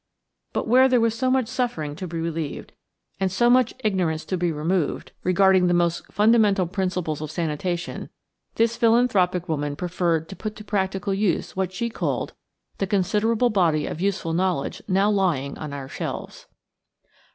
But where there was so much suffering to be relieved and so much ignorance to be removed regarding the most fundamental principles of sanitation, this philanthropic woman preferred to put to practical use what she called "the considerable body of useful knowledge now lying on our shelves."